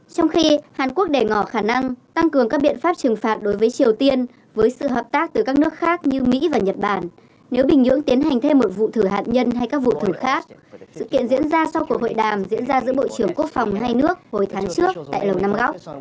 trong khi hàn quốc đề ngỏ khả năng tăng cường các biện pháp trừng phạt đối với triều tiên với sự hợp tác từ các nước khác như mỹ và nhật bản nếu bình nhưỡng tiến hành thêm một vụ thử hạt nhân hay các vụ thử khác sự kiện diễn ra sau cuộc hội đàm diễn ra giữa bộ trưởng quốc phòng hai nước hồi tháng trước tại lầu năm góc